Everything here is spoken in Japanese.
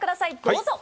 どうぞ。